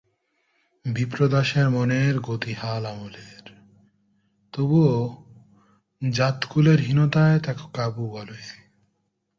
বিপ্রদাসের মনের গতি হাল-আমলের, তবু জাতকুলের হীনতায় তাকে কাবু করে।